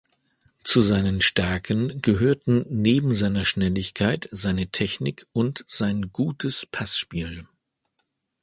Zu seinen Stärken gehörten neben seiner Schnelligkeit, seine Technik und sein gutes Passspiel.